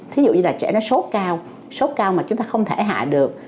thí dụ như là trẻ nó sốt cao sốt cao mà chúng ta không thể hạ được